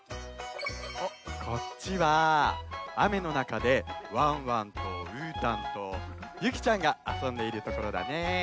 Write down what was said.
こっちはあめのなかでワンワンとうーたんとゆきちゃんがあそんでいるところだね。